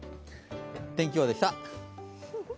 天気予報でした。